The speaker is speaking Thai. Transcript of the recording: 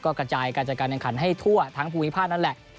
กระจายการจัดการแข่งขันให้ทั่วทั้งภูมิภาคนั่นแหละ